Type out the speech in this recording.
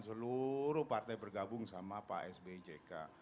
seluruh partai bergabung sama pak sbyjk